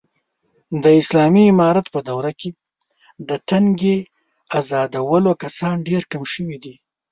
د اسالامي امارت په دوره کې، د تنگې ازادولو کسان ډېر کم شوي دي.